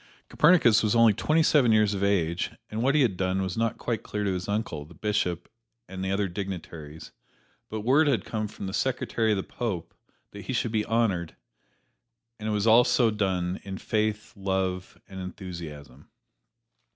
Copernicus was only twenty seven years of age, and what he had done was not quite clear to his uncle, the bishop, and the other dignitaries, but word had come from the secretary of the Pope that he should be honored, and it was all so done, in faith, love and enthusiasm.